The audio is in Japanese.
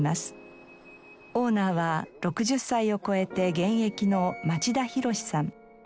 オーナーは６０歳を超えて現役の町田博さん。